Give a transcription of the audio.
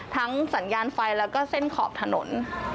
สัญญาณไฟแล้วก็เส้นขอบถนน